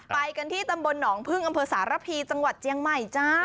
ไปกันที่ตำบลหนองพึ่งอำเภอสารพีจังหวัดเจียงใหม่จ้า